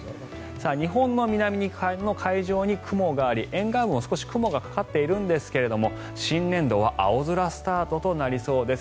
日本の南の海上に雲があり沿岸部も雲がかかっているんですが新年度は青空スタートとなりそうです。